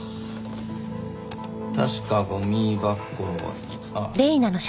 確かゴミ箱にああ。